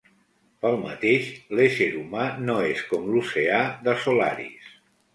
Pel mateix, l'ésser humà no és com l'oceà de Solaris.